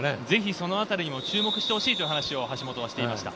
その辺りにも注目してほしいと話していました。